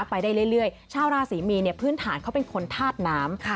ไปได้เรื่อยชาวราศรีมีนพื้นฐานเขาเป็นคนธาตุน้ำ